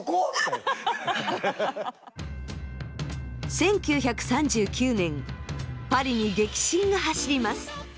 １９３９年パリに激震が走ります。